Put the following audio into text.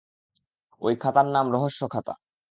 ঐ খাতার নাম রহস্য- খাতা!